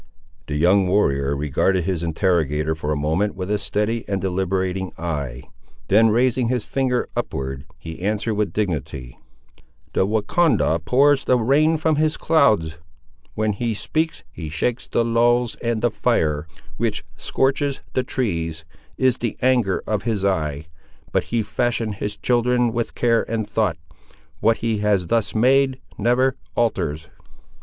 The young warrior regarded his interrogator for a moment with a steady and deliberating eye; then raising his finger upward, he answered with dignity— "The Wahcondah pours the rain from his clouds; when he speaks, he shakes the lulls; and the fire, which scorches the trees, is the anger of his eye; but he fashioned his children with care and thought. What he has thus made, never alters!"